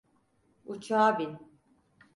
Uçağa bin.